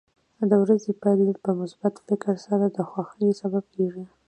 د ورځې پیل په مثبت فکر سره د خوښۍ سبب کېږي.